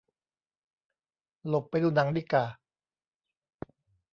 หลบไปดูหนังดีก่า